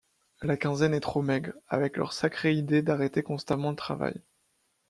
La quinzaine est trop maigre, avec leur sacrée idée d’arrêter constamment le travail.